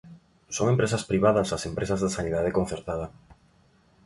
Son empresas privadas as empresas da sanidade concertada.